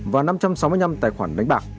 và năm trăm sáu mươi năm tài khoản đánh bạc